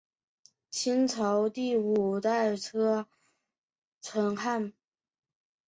清朝第五代车臣汗。